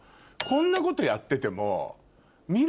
こんなことやってても。